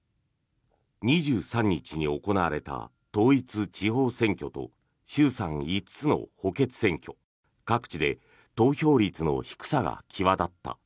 ２３日に行われた統一地方選挙と衆参５つの補欠選挙各地で投票率の低さが際立った。